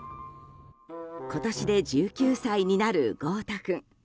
今年で１９歳になる豪太君。